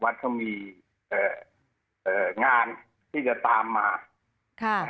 วัดเขามีงานที่จะตามมา